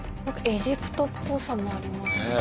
エジプトっぽさもありますね。